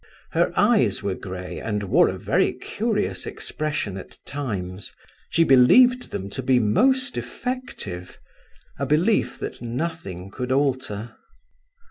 Her eyes were grey and wore a very curious expression at times. She believed them to be most effective—a belief that nothing could alter.